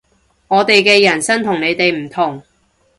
我哋嘅人生同你哋唔同